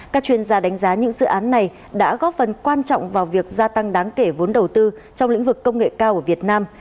các chuyên gia đánh giá những dự án này đã góp phần quan trọng vào việc gia tăng đáng kể vốn đầu tư trong lĩnh vực công nghệ cao ở việt nam